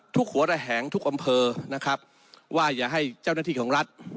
หัวระแหงทุกอำเภอนะครับว่าอย่าให้เจ้าหน้าที่ของรัฐ